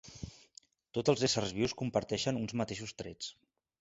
Tots els éssers vius comparteixen uns mateixos trets.